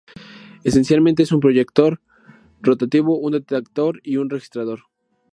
Esencialmente es un proyector rotativo, un detector, y un registrador.